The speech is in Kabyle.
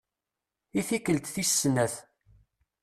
I tikkelt tis snat.